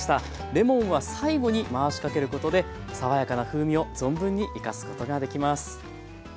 レモンは最後に回しかけることで爽やかな風味を存分に生かすことができます。